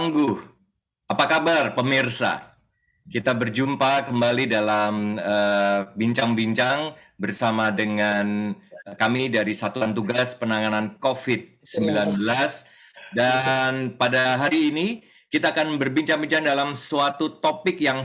gak pakai masker bisa mati